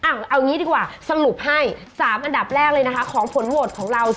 เอางี้ดีกว่าสรุปให้๓อันดับแรกเลยนะคะของผลโหวตของเรา